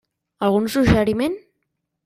Algun suggeriment?